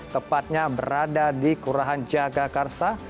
tepatnya berada di kelurahan jagakarsa